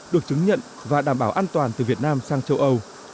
được chứng nhận và đảm bảo an toàn từ việt nam sang châu âu